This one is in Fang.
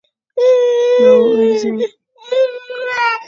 Ma wôkh nzèn.